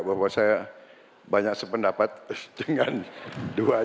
bahwa saya banyak sependapat dengan dua